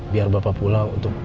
biar bapak pula untuk